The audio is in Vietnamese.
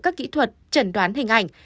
các kỹ thuật trần đoán hình ảnh